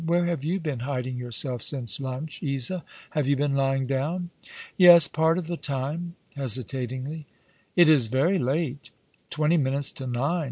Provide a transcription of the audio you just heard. Where have you been hiding yourself since lunch, Isa ? Have you been lying down ?"" Yes, part of the time "—hesitatingly. " It is very late." " Twenty minutes to nine.